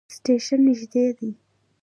سټیشن نژدې دی